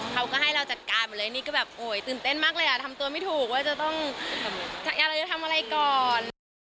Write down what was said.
เขาก็ให้เราจัดการหมดเลยนี่ก็แบบโอ้ยตื่นเต้นมากเลยอ่ะทำตัวไม่ถูกว่าจะต้องเราจะทำอะไรก่อน